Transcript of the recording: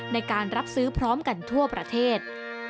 ในการรับซื้อพร้อมกันทั่วประเทศ